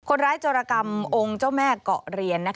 จรกรรมองค์เจ้าแม่เกาะเรียน